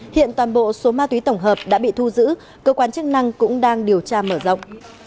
hiện toàn bộ số ma túy tổng hợp đã bị thu giữ cơ quan chức năng cũng đang điều tra mở rộng